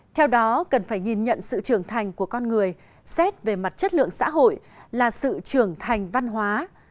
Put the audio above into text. theo đó cần phải nhìn nhận sự trưởng thành của con người xét về mặt chất lượng xã hội là sự trưởng thành văn hóa